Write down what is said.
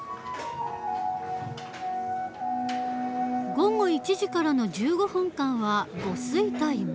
午後１時からの１５分間は午睡タイム。